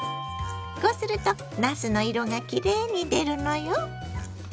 こうするとなすの色がきれいに出るのよ。